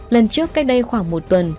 lần trước cách đây khoảng một tuần